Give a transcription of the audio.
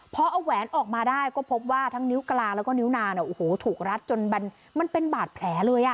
พอเอาแหวนออกมาได้ก็พบว่าทั้งนิ้วกลางแล้วก็นิ้วนางเนี่ยโอ้โหถูกรัดจนมันเป็นบาดแผลเลยอ่ะ